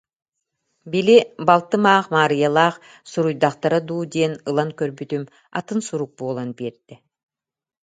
Били, балтым аах Маарыйалаах суруйдахтара дуу диэн ылан көрбүтүм, атын сурук буолан биэрдэ